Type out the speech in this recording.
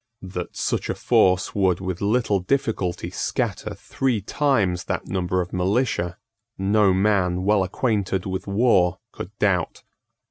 That such a force would with little difficulty scatter three times that number of militia, no man well acquainted with war could doubt.